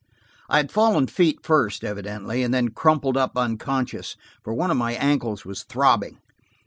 I had fallen feet first, evidently, and then crumpled up unconscious, for one of my ankles was throbbing.